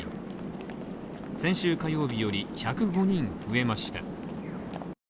先週火曜日より１０５人増えました。